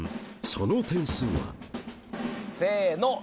その点数はせの！